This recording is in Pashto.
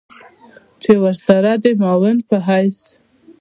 چې ورسره د معاون په حېث